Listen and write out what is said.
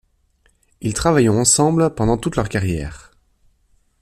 Ils travaillons ensemble pendant toute leur carrière.